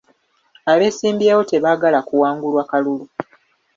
Abesimbyewo tebaagala kuwangulwa kalulu.